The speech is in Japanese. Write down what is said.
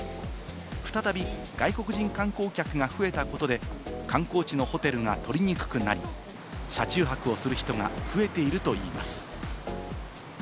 再び外国人観光客が増えたことで、観光地のホテルが取りにくくなり、車中泊をする人が増えているといいます。